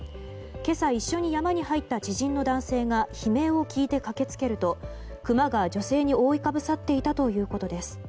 今朝、一緒に山に入った知人の男性が悲鳴を聞いて駆けつけるとクマが女性に覆いかぶさっていたということです。